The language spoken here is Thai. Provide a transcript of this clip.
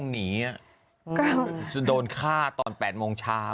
หนีจะโดนฆ่าตอน๘โมงเช้า